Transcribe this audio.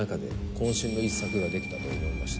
こん身の一作ができたと思いました。